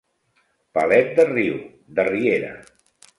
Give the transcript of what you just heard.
Palet de riu, de riera.